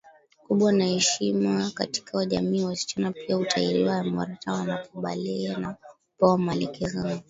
kubwa na heshima katika jamiiWasichana pia hutahiriwa emorata wanapobalehe na hupewa maelekezo na